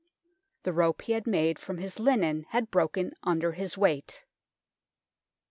The rope he had made from his linen had broken under his weight.